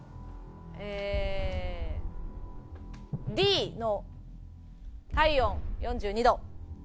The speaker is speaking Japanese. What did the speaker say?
ええＤの体温４２度。